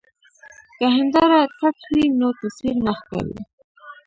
که هنداره تت وي نو تصویر نه ښکاري.